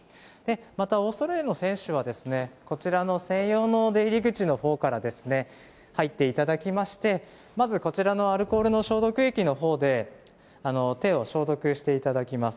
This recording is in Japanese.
また、オーストラリアの選手はですね、こちらの専用の出入り口のほうから入っていただきまして、まずこちらのアルコールの消毒液のほうで、手を消毒していただきます。